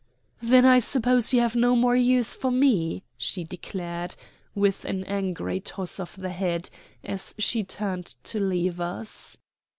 "Then I suppose you have no more use for me?" she declared, with an angry toss of the head, as she turned to leave us.